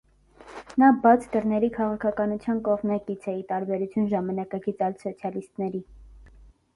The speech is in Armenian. Նա բաց դռների քաղաքականության կողմնակից է, ի տարբերություն ժամանակակից այլ սոցիալիստների։